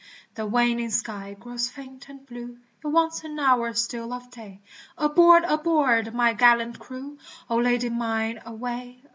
The waning sky grows faint and blue, It wants an hour still of day, Aboard I aboard ! my gallant crew, O Lady mine away